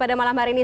pada malam hari ini